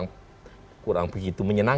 nah kalau misalnya di mystery not miss kitauss